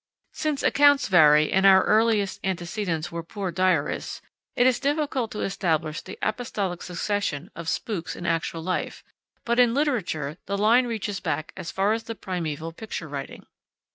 Since accounts vary, and our earliest antecedents were poor diarists, it is difficult to establish the apostolic succession of spooks in actual life, but in literature, the line reaches back as far as the primeval picture writing.